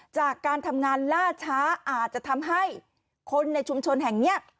จากการทำงานล่าช้าอาจจะทำให้คนในชุมชนแห่งนี้